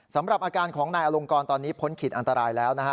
สำหรับอาการของนายอลงกรตอนนี้พ้นขีดอันตรายแล้วนะฮะ